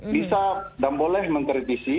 bisa dan boleh mengkritisi